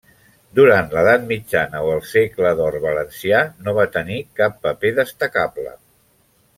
Durant l'edat mitjana o el Segle d'Or valencià no va tenir cap paper destacable.